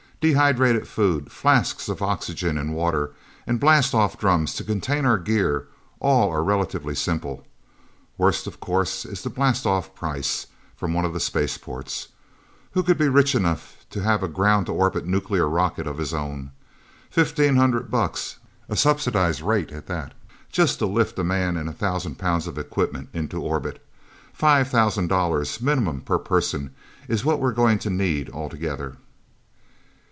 Dehydrated food, flasks of oxygen and water, and blastoff drums to contain our gear, are all relatively simple. Worst, of course, is the blastoff price, from one of the spaceports. Who could be rich enough to have a ground to orbit nuclear rocket of his own? Fifteen hundred bucks a subsidized rate at that just to lift a man and a thousand pounds of equipment into orbit. Five thousand dollars, minimum per person, is what we're going to need, altogether."